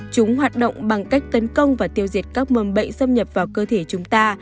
chúng hoạt động bằng cách tấn công và tiêu diệt các mầm bệnh xâm nhập vào cơ thể chúng ta